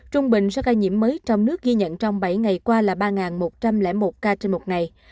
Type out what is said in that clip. trung bình số ca nhiễm mới trong nước ghi nhận trong bảy ngày qua là ba một trăm linh một ca trên một ngày